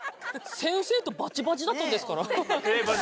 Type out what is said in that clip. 先生と、ばちばちだったんですから。